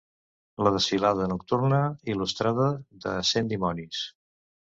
"La Desfilada Nocturna Il·lustrada de Cent Dimonis".